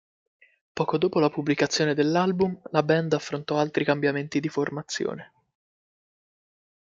Poco dopo la pubblicazione dell'album la band affrontò altri cambiamenti di formazione.